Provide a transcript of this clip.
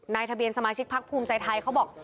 ทะเบียนสมาชิกพักภูมิใจไทยเขาบอก